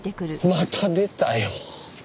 また出たよ。